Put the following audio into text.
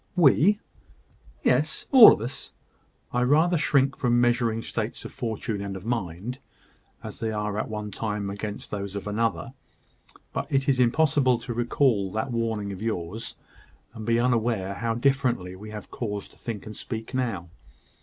"We!" "Yes; all of us. I rather shrink from measuring states of fortune and of mind, as they are at one time against those of another; but it is impossible to recall that warning of yours, and be unaware how differently we have cause to think and speak now.